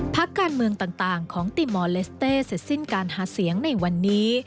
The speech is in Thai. พักการเมืองต่างของติมอลเลสเต้เสร็จสิ้นการหาเสียงในวันนี้